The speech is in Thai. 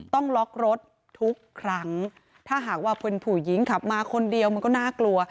ต้องล็อกรถทุกครั้งถ้าหากว่าเป็นผู้หญิงขับมาคนเดียวมันก็น่ากลัว